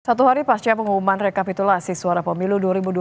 satu hari pasca pengumuman rekapitulasi suara pemilu dua ribu dua puluh